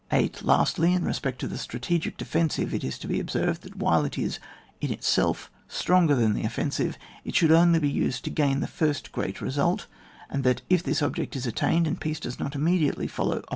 8. Lastly, in respect to the strategic defensive, it is to be observed, that while it is in itself stronger than the offensive, it should only be used to gain the first great result, and that if this object is attained, and peace does not immediately follow